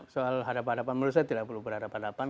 soal hadapan hadapan menurut saya tidak perlu berhadapan hadapan